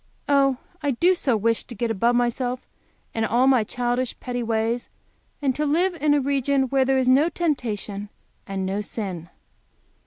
Oh, I do so wish to get above myself and all my childish, petty ways, and to live in a region where there is no temptation and no sin!